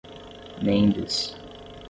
Mendes